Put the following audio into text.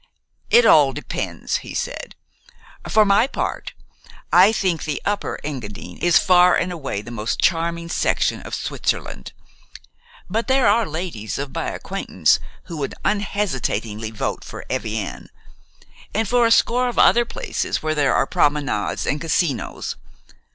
"It all depends," he said. "For my part, I think the Upper Engadine is far and away the most charming section of Switzerland; but there are ladies of my acquaintance who would unhesitatingly vote for Evian, and for a score of other places where there are promenades and casinos.